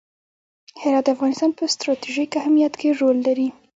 هرات د افغانستان په ستراتیژیک اهمیت کې رول لري.